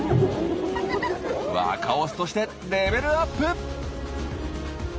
若オスとしてレベルアップ！